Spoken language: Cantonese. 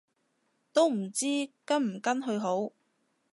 都唔知跟唔跟去好